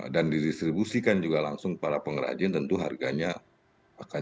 dan didistribusikan juga langsung para pengrajin tentu harganya akan